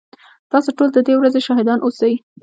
تاسو ټول ددې ورځي شاهدان اوسئ